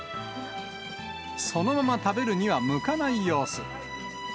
そのまま食べるには向かない様子。